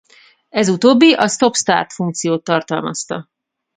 Ez utóbbi a Stop Start funkciót tartalmazta.